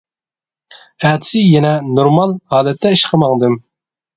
ئەتىسى يەنە نورمال ھالەتتە ئىشقا ماڭدىم.